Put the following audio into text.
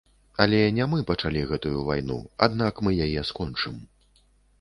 Але не мы пачалі гэтую вайну, аднак мы яе скончым.